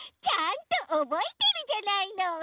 ちゃんとおぼえてるじゃないの。